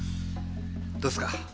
どうですか？